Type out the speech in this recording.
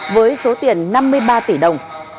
với số tiền năm mươi ba tỷ đồng